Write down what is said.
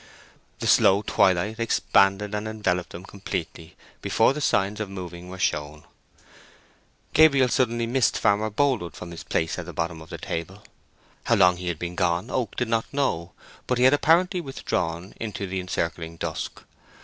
The slow twilight expanded and enveloped them completely before the signs of moving were shown. Gabriel suddenly missed Farmer Boldwood from his place at the bottom of the table. How long he had been gone Oak did not know; but he had apparently withdrawn into the encircling dusk.